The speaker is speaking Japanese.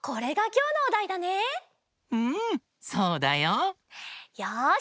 うんそうだよ。よし！